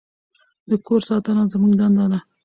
د کور ساتنه زموږ دنده ده.